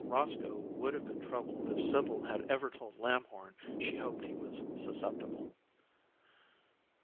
Roscoe would have been troubled if Sibyl had ever told Lamhorn she hoped he was susceptible.